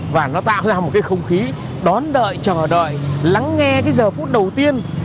và nó tạo ra một cái không khí đón đợi chờ đợi lắng nghe cái giờ phút đầu tiên